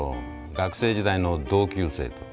学生時代の同級生と。